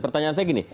pertanyaan saya gini